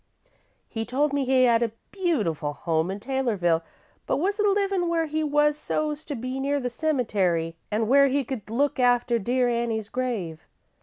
"He told me he had a beautiful home in Taylorville, but was a livin' where he was so 's to be near the cemetery an' where he could look after dear Annie's grave.